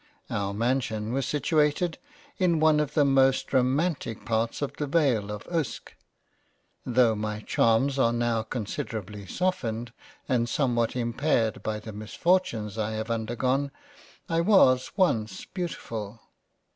Our mansion was situated in one of the most romantic parts of the Vale of Uske. Tho' my Charms are now considerably softened ' and somewhat impaired by the Misfortunes I have under gone, I was once beautiful.